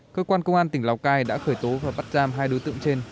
cơ quan công an tỉnh lào cai đã khởi tố và bắt giam hai đối tượng trên